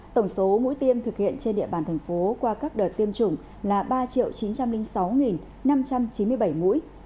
tổng số mũi tiêm thực hiện trên địa bàn thành phố qua các đợt tiêm chủng là ba chín trăm linh sáu năm trăm chín mươi bảy mũi